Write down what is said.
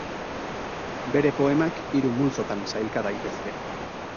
Bere poemak hiru multzotan sailka daitezke.